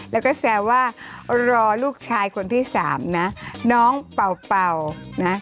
แล้วก็แซวว่ารอลูกชายคนที่สามนะน้องเป่าเป่านะ